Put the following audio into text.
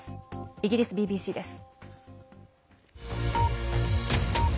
イギリスＢＢＣです。